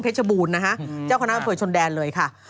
เฮชไบร์บูรณ์นะคะเจ้าคณะเผยชนแดนเลย